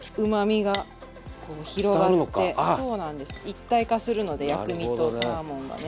一体化するので薬味とサーモンがね。